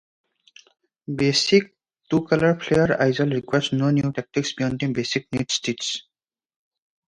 Basic two-colour Fair Isle requires no new techniques beyond the basic knit stitch.